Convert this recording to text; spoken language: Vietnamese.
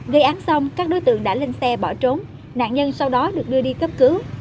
gây án xong các đối tượng đã lên xe bỏ trốn nạn nhân sau đó được đưa đi cấp cứu